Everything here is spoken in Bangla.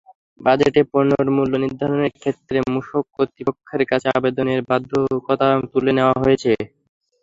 বাজেটে পণ্যের মূল্য নির্ধারণের ক্ষেত্রে মূসক কর্তৃপক্ষের কাছে আবেদনের বাধ্যবাধকতা তুলে নেওয়া হয়েছে।